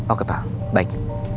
oke pak baik